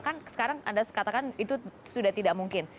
kan sekarang anda katakan itu sudah tidak mungkin